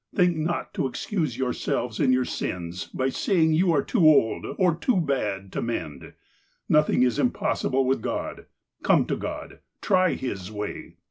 Think not to excuse yourselves in your sins by sayiug you are too old, or too bad, to mend. Nothing is impossible with God. Come to God. Try His way.